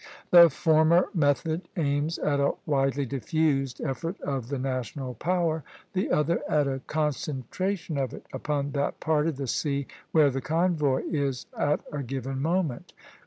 The former method aims at a widely diffused effort of the national power, the other at a concentration of it upon that part of the sea where the convoy is at a given moment.